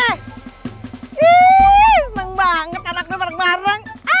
ih seneng banget anak gue bareng bareng